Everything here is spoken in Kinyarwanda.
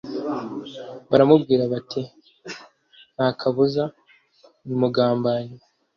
baramubwira bati"ntakabuza numugambanyi